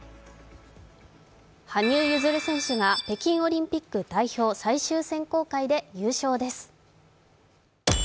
羽生結弦選手が北京オリンピック代表最終選考会で優勝です。